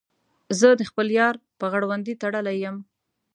زه د خپل یار په غړوندي تړلی یم.